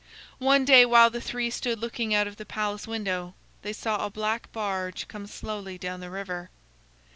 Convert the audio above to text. One day while the three stood looking out of the palace window, they saw a black barge come slowly down the river.